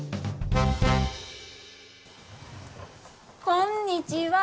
こんにちは。